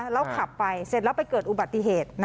แล้วขับไปเสร็จแล้วไปเกิดอุบัติเหตุ